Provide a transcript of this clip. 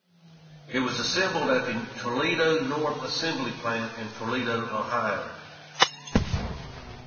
It was assembled at the Toledo North Assembly Plant in Toledo, Ohio.